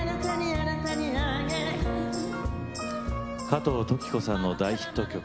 加藤登紀子さんの大ヒット曲